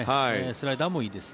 スライダーもいいです。